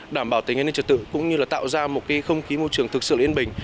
đảm bảo tình hình trực tự cũng như tạo ra một không khí môi trường thực sự yên bình